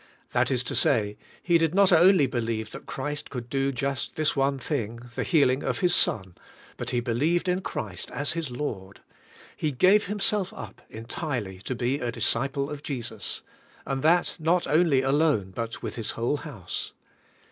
That is to say, he did not onl}' believe that Christ could do just this one thing, the healing of his son; but he believed in Christ as his Lord. He gave himself up en tirely to be a disciple of Jesus. And that not only alone, but with his whole house.